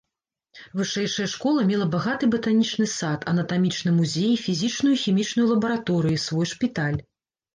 Вышэйшая школа мела багаты батанічны сад, анатамічны музей, фізічную і хімічную лабараторыі, свой шпіталь.